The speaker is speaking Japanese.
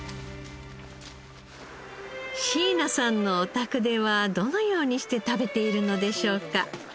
椎名さんのお宅ではどのようにして食べているのでしょうか？